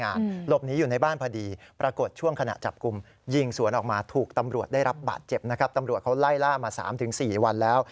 อัยัดคือ